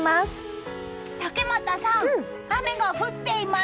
竹俣さん、雨が降っています！